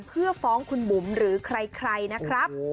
เพื่อฟ้องคุณบุ๋มหรือใครนะครับ